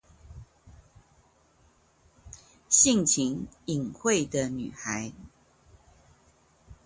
性情穎慧的女孩